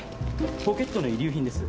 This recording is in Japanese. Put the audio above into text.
ポケットの遺留品です。